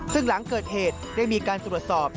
ซึ่งหลังเกิดเหตุได้มีการตรวจสอบ